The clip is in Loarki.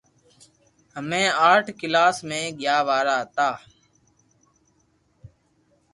ھمي آٺ ڪلاس مي گيا وارا ھتا